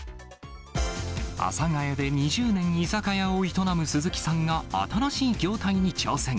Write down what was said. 阿佐ヶ谷で２０年、居酒屋を営む鈴木さんが、新しい業態に挑戦。